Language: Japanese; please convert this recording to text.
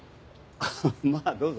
まあどうぞ。